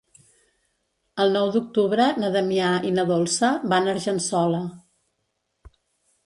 El nou d'octubre na Damià i na Dolça van a Argençola.